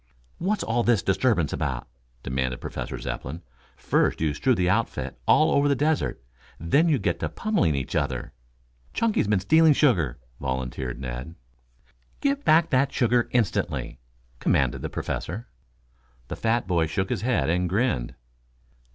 "What's all this disturbance about?" demanded Professor Zepplin. "First you strew the outfit all over the desert, then you get to pummeling each other." "Chunky's been stealing sugar," volunteered Ned. "Give back that sugar, instantly!" commanded the Professor. The fat boy shook his head and grinned.